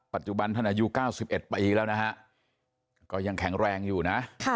ปัจจุบันท่านอายุ๙๑ปีแล้วนะฮะก็ยังแข็งแรงอยู่นะ